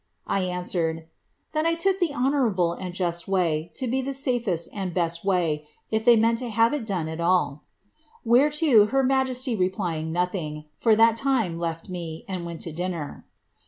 I answered, ' that I took the honourable and just way, to be the safest and best way, if they meant to have it done at all ;' whereto her majesty replying nothing, for that lime, led me, and went to dinner.